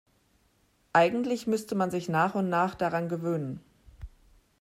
Eigentlich müsste man sich nach und nach daran gewöhnen.